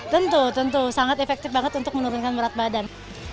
tentu tentu sangat efektif banget untuk menurunkan berat badan